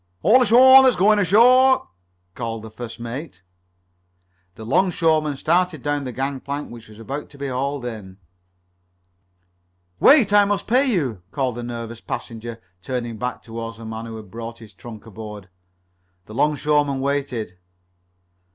"All ashore that's going ashore!" called the first mate. The 'longshoreman started down the gangplank which was about to be hauled in. "Wait, I must pay you!" called the nervous passenger, turning back toward the man who had brought his trunk aboard. The 'longshoreman waited.